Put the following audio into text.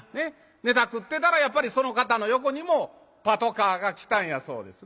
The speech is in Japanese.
ネタ繰ってたらやっぱりその方の横にもパトカーが来たんやそうですね。